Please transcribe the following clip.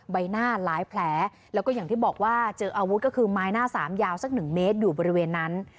ใบหน้าหลายแผลแล้วก็อย่างที่บอกว่าเจออาวุธก็คือไม้หน้าสามยาวสักหนึ่งเมตรอยู่บริเวณนั้น